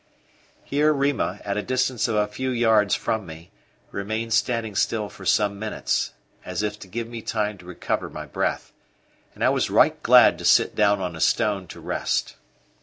Here Rima, at a distance of a few yards from me, remained standing still for some minutes, as if to give me time to recover my breath; and I was right glad to sit down on a stone to rest.